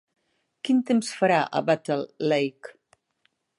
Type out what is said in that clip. Quin temps farà a Battle Lake?